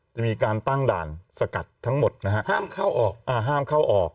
จะมีการตั้งด่านสกัดทั้งหมดนะครับห้ามเข้าออก